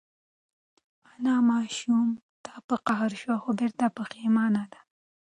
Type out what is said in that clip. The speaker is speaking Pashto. انا ماشوم ته په قهر شوه خو بېرته پښېمانه ده.